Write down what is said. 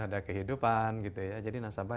ada kehidupan gitu ya jadi nasabah